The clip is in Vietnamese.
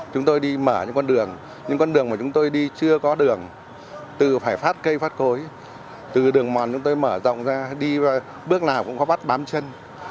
chúng tôi đi mở những con đường những con đường mà chúng tôi đi chưa có đường từ phải phát cây phát cối từ đường mòn chúng tôi mở rộng ra đi bước nào cũng có bắt bám chân